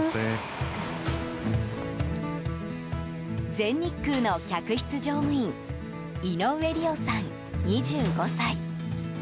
全日空の客室乗務員井上梨緒さん、２５歳。